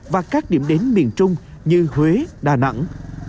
và các điểm đến miền trung như huế đà nẵng